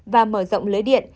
và mở rộng lưới điện